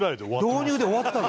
導入で終わったの。